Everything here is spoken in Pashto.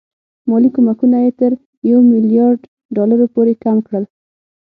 مالي کومکونه یې تر یو میلیارډ ډالرو پورې کم کړل.